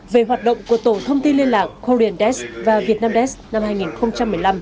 về hoạt động của tổ thông tin liên lạc korean desk và vietnam desk năm hai nghìn một mươi năm